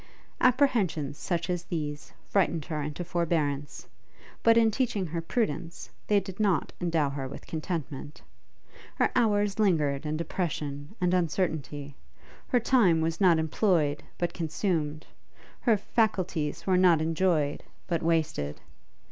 Apprehensions such as these frightened her into forbearance: but in teaching her prudence, they did not endow her with contentment. Her hours lingered in depression and uncertainty; her time was not employed but consumed; her faculties were not enjoyed, but wasted.